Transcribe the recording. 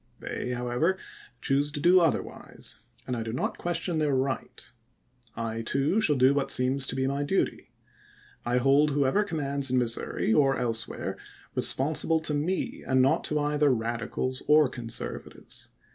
They, however, choose to do otherwise, and I do not question their right. I too shall aia° .^d!' do what seems to be my duty. I hold whoever commands and^others, in Missouri, or elsewhere, responsible to me, and not to ^or^ct^' either Radicals or Conservatives.